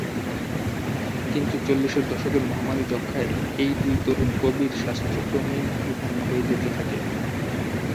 কিন্তু চল্লিশের দশকের মহামারী যক্ষ্মায় এই দুই তরুণ কবির স্বাস্থ্য ক্রমেই বিপন্ন হয়ে হতে থাকে।